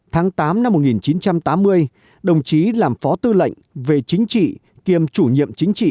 tháng tám năm một nghìn chín trăm tám mươi đồng chí làm phó tư lệnh về chính trị kiêm chủ nhiệm chính trị